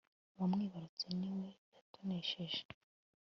uwamwibarutse ni we yatonesheje